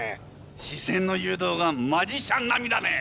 視線の誘導がマジシャン並みだね。